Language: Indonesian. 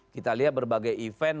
kita lihat berbagai event